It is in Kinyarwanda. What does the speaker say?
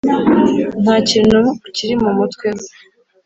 ntakintu kiri mumutwe we